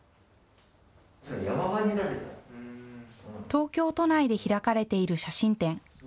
東京都内で開かれている写真展。